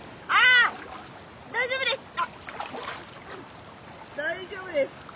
あっ大丈夫です。